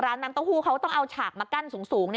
น้ำเต้าหู้เขาต้องเอาฉากมากั้นสูง